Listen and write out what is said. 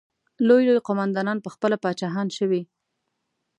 لوی لوی قوماندانان پخپله پاچاهان شوي.